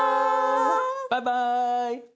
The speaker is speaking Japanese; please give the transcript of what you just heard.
バイバーイ。